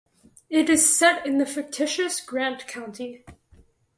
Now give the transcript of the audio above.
It is set in the fictitious Grant County.